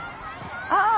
ああ！